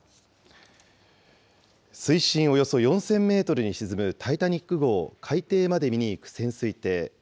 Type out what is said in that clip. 水深およそ４０００メートルに沈むタイタニック号を海底まで見に行く潜水艇。